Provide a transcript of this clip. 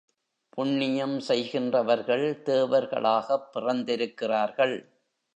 புண்ணியம் செய்கின்றவர்கள் தேவர்களாகப் பிறந்திருக்கிறார்கள்.